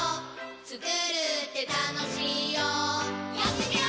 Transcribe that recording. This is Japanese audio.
つくるってたのしいよやってみよー！